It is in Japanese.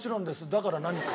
だから何か？